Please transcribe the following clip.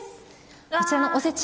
こちらのおせち。